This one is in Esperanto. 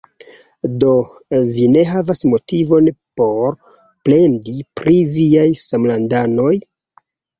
Do, vi ne havas motivon por plendi pri viaj samlandanoj?